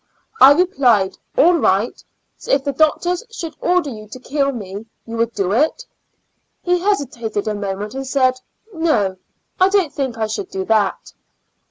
I replied, ''All right ; so if the doctor should order you to kill me you 20 Preface. would do it," He hesitated a moment and said, " No ; I don't think I should do that."